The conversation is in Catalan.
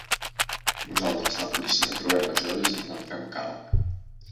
Nosaltres, la policia, trobem les joies i ens en fem càrrec.